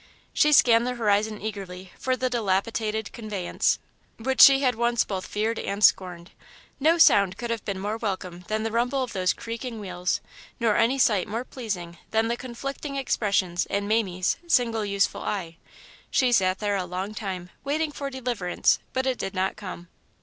She scanned the horizon eagerly for the dilapidated conveyance which she had once both feared and scorned. No sound could have been more welcome than the rumble of those creaking wheels, nor any sight more pleasing than the conflicting expressions in "Mamie's" single useful eye. She sat there a long time, waiting for deliverance, but it did not come.